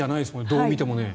どう見てもね。